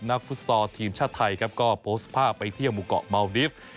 ฟุตซอลทีมชาติไทยครับก็โพสต์ภาพไปเที่ยวหมู่เกาะเมาดิฟต์